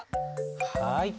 はい。